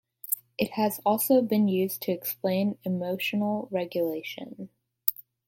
It has also been used to explain emotional regulation.